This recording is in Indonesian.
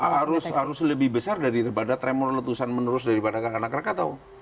harus lebih besar daripada tremor letusan menerus daripada anak krakatau